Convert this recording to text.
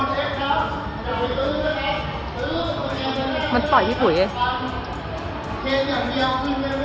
ตัวเป็นผู้หญิง